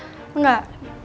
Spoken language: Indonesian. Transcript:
mbak ada bel jazaja disini